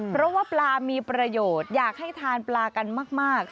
เพราะว่าปลามีประโยชน์อยากให้ทานปลากันมาก